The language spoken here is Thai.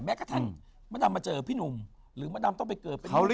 กระทั่งมะดำมาเจอพี่หนุ่มหรือมะดำต้องไปเกิดเป็น